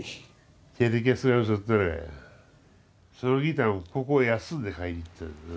そのギターもここ休んで買いに行ったんだなあ。